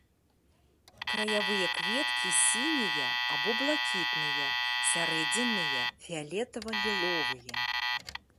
Краявыя кветкі сінія або блакітныя, сярэдзінныя фіялетава-ліловыя.